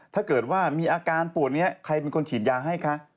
ถ้าเกิดว่ามีอาการปวดนี้ใครเป็นคนฉีดยาให้คะ